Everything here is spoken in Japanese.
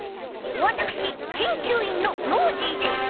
わたくしけんきゅういんのノージーです。